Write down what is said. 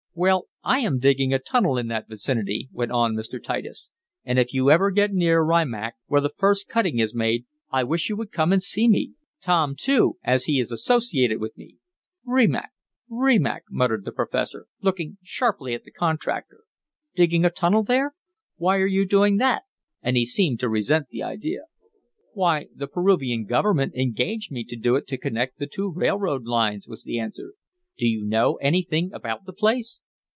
"Well, I am digging a tunnel in that vicinity," went on Mr. Titus, "and if you ever get near Rimac, where the first cutting is made, I wish you would come and see me Tom too, as he is associated with me." "Rimac Rimac," murmured the professor, looking sharply at the contractor. "Digging a tunnel there? Why are you doing that?" and he seemed to resent the idea. "Why, the Peruvian government engaged me to do it to connect the two railroad lines," was the answer. "Do you know anything about the place?"